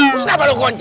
terus kenapa lu kunci